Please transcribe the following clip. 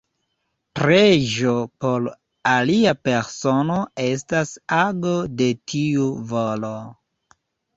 Preĝo por alia persono estas ago de tiu volo.